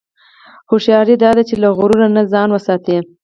هوښیاري دا ده چې له غرور نه ځان وساتې.